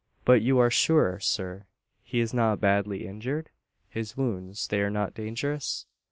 "But you are sure, sir, he is not badly injured? His wounds they are not dangerous?"